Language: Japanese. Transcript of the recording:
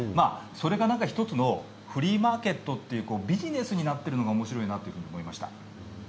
それが１つのフリーマーケットというビジネスになっているのがおもしろいなと思いました。